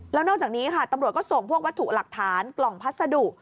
แล้วนอกจากนี้ค่ะตำรวจก็ส่งพวกวัตถุหลักฐานกล่องพัสดุ